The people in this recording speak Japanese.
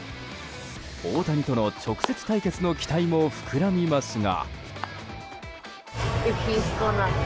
大谷との直接対決の期待も膨らみますが。